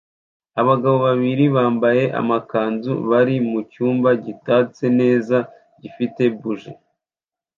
Abagabo babiri bambaye amakanzu bari mucyumba gitatse neza gifite buji